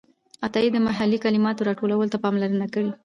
عطايي د محلي کلماتو راټولولو ته پاملرنه کړې ده.